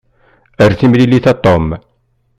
Ar timlilit a Tom.